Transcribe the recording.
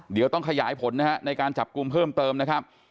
เดี๋ยวต้องขยายผลนะฮะในการจับกลุ่มเพิ่มเติมนะครับ